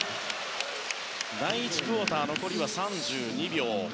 第１クオーター残りは３２秒。